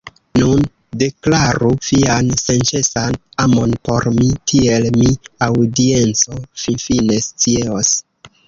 Nun, deklaru vian senĉesan amon por mi tiel mi aŭdienco finfine scios